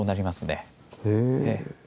へえ。